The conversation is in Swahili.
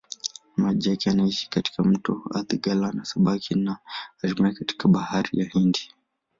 Maji yake yanaishia katika mto Athi-Galana-Sabaki na hatimaye katika Bahari ya Hindi.